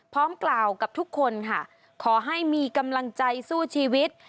พร้อมกล่าวกับทุกคนค่ะขอให้มีกำลังใจสู้ชีวิต